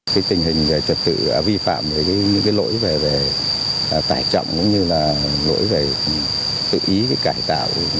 cái tình hình trật tự vi phạm những cái lỗi về tài trọng cũng như là lỗi về tự ý cái cải tạo